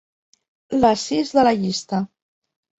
La sis de la llista.